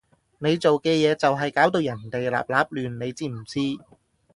你做嘅嘢就係搞到人哋立立亂，你知唔知？